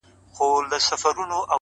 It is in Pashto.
د فاصلو په تول کي دومره پخه سوې يمه!